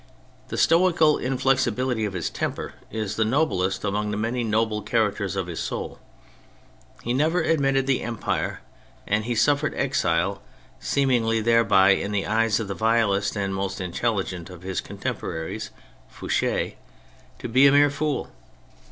The stoical inflexibility of his temper is the noblest among the many noble characters of his soul. He never admitted the empire, and he suffered exile, seeming thereby in the eyes of the vilest and most intelligent of his con temporaries, Fouch6, to be a mere fool.